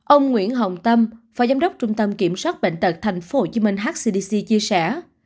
ông nguyễn hồng tâm phó giám đốc trung tâm kiểm soát bệnh tật tp hcm hcdc chia sẻ